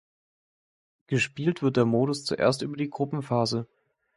Gespielt wird der Modus zuerst über die Gruppenphase.